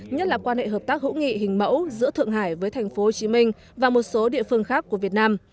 nhất là quan hệ hợp tác hữu nghị hình mẫu giữa thượng hải với thành phố hồ chí minh và một số địa phương khác của việt nam